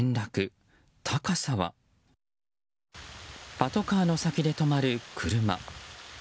パトカーの先で止まる車。